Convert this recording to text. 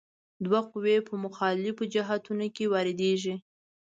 دوه قوې په مخالفو جهتونو کې واردیږي.